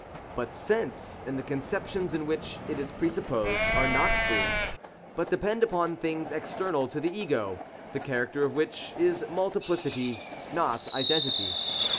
But sense, and the conceptions in which it is presupposed, are not free, but depend upon things external to the Ego, the character of which is multiplicity not identity.